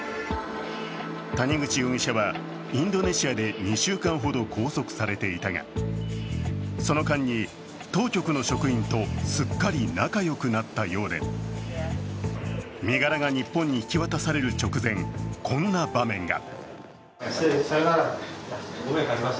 谷口容疑者はインドネシアで２週間ほど拘束されていたがその間に当局の職員とすっかり仲良くなったようで身柄が日本に引き渡される直前、こんな場面が。